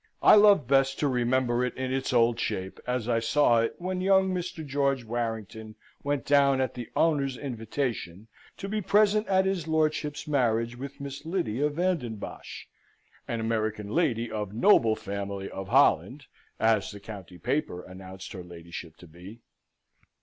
I love best to remember it in its old shape, as I saw it when young Mr. George Warrington went down at the owner's invitation, to be present at his lordship's marriage with Miss Lydia Van den Bosch "an American lady of noble family of Holland," as the county paper announced her ladyship to be.